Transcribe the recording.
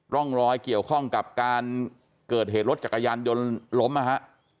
ร่องรอยเกี่ยวข้องกับการเกิดเหตุรถจักรยานยนต์ล้มนะฮะ